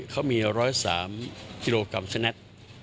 เขามี๑๐๓กิโลกรัมสแน็ต